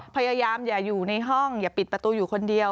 พยายามอย่าอยู่ในห้องอย่าปิดประตูอยู่คนเดียว